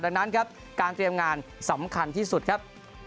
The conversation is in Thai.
ดังนั้นครับการเตรียมงานสำคัญที่สุดครับ